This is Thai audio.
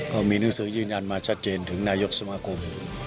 ก็มีหนังสือยืนยันมาชัดเจนถึงนายกสมาคม